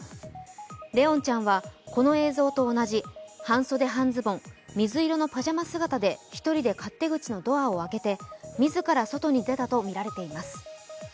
怜音ちゃんは、この映像と同じ半袖半ズボン水色のパジャマ姿で１人で勝手口のドアを開けて自ら外に出たとみられています。